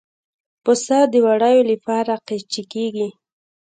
پسه د وړیو لپاره قیچي کېږي.